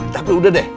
tapi udah deh